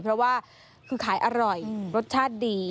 เพราะว่าคือขายอร่อยรสชาติดี